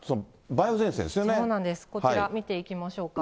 そうなんです、こちら見ていきましょうか。